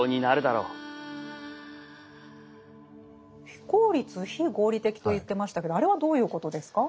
非効率非合理的と言ってましたけどあれはどういうことですか？